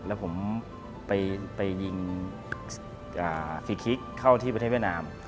แล้วผมไปยิงฟรีคลิกเข้าที่ประเทศเวียดนาม